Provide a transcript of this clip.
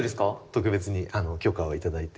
特別に許可を頂いて。